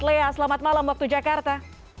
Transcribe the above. lea selamat malam waktu jakarta